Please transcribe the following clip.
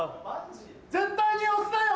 絶対に押すなよ！